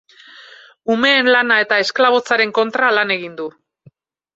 Umeen lana eta esklabotzaren kontra lan egin du.